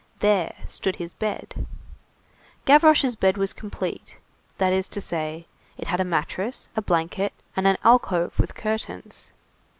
There stood his bed. Gavroche's bed was complete; that is to say, it had a mattress, a blanket, and an alcove with curtains.